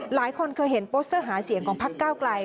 หลายคนเคยเห็นโปสเตอร์หาเสียงของพักเก้าไกล